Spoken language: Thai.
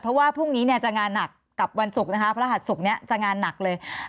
เพราะว่าพรุ่งนี้จะงานหนักกับวันศุกร์นะคะพระหัสศุกร์นี้จะงานหนักเลย